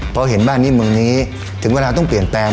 พอเห็นบ้านนี้เมืองนี้ถึงเวลาต้องเปลี่ยนแปลง